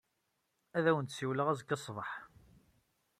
Ad awen-d-ssiwleɣ azekka ṣṣbeḥ.